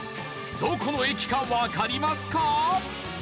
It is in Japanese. どこの駅かわかりますか？